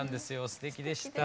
すてきでした。